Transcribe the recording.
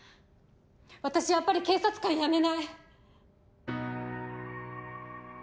私やっぱり警察官辞めない。